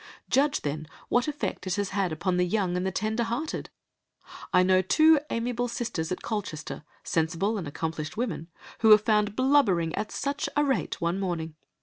Judge, then, what effect it has had upon the young and the tender hearted! I know two amiable sisters at Colchester, sensible and accomplished women, who were found blubbering at such a rate one morning!